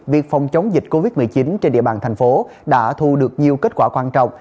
việc phòng chống dịch covid một mươi chín trên địa bàn thành phố đã thu được nhiều kết quả quan trọng